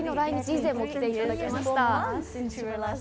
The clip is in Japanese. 以前も来ていただきました。